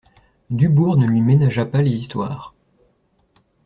Dubourg ne lui ménagea pas les histoires.